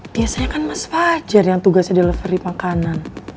biasanya kan mas fajar yang tugasnya delivery makanan